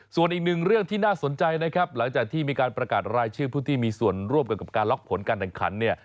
ส่วนอีกหนึ่งเรื่องที่น่าสนใจนะครับหลังจากที่มีการประกาศรายชื่อผู้ที่มีส่วนร่วมกับการล็อกผลการแข่งขันเนี่ย